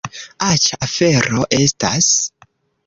Aĉa afero estas!